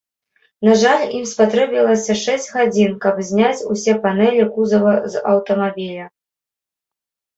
На жаль, ім спатрэбілася шэсць гадзін, каб зняць усе панэлі кузава з аўтамабіля.